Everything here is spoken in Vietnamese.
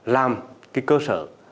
làm cơ sở